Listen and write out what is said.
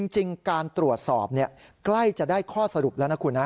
จริงการตรวจสอบใกล้จะได้ข้อสรุปแล้วนะคุณนะ